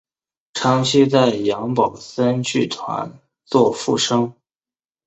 长期在杨宝森剧团做副生。